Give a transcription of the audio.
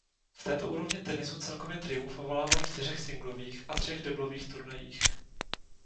V této úrovni tenisu celkově triumfovala na čtyřech singlových a třech deblových turnajích.